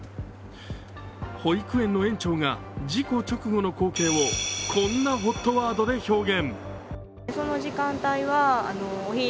保育園の園長が事故直後の光景を、こんなＨＯＴワードで表現。